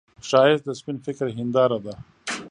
ښایست د سپين فکر هنداره ده